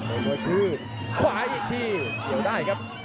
โอ้โหคือขวาอีกทีเดี๋ยวได้ครับ